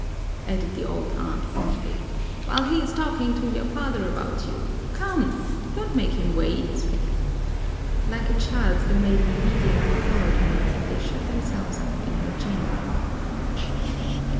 added the old aunt fondly. "While he is talking to your father about you. Come, don't make him wait." Like a child the maiden obediently followed her and they shut themselves up in her chamber.